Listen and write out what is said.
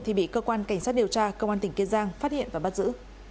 thì bị cơ quan cảnh sát điều tra công an tỉnh kiên giang phát hiện và bắt giữ